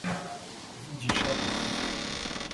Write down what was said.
kuvugisha ukuri